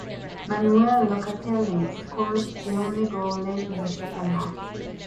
Manuel Locatelli scored the only goal late in the second half.